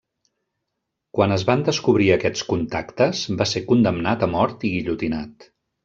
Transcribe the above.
Quan es van descobrir aquests contactes, va ser condemnat a mort i guillotinat.